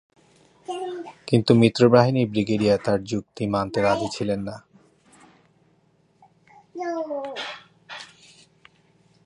কিন্তু মিত্রবাহিনীর ব্রিগেডিয়ার তার এ যুক্তি মানতে রাজি ছিলেন না।